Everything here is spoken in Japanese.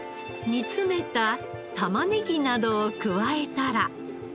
煮詰めた玉ねぎなどを加えたら。